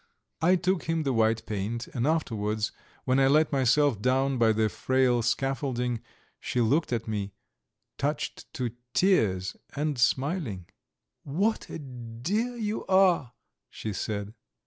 I took him the white paint, and afterwards, when I let myself down by the frail scaffolding, she looked at me, touched to tears and smiling. "What a dear you are!" she said.